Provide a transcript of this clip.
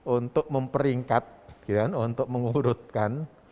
untuk memperingkat untuk mengurutkan